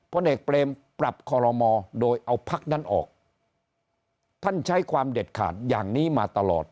พลเอกเปรมปรับคอรมอโดยเอาพักนั้นออกท่านใช้ความเด็ดขาดอย่างนี้มาตลอด